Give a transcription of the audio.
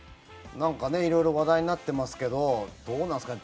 なんか色々話題になってますけどどうなんですかね。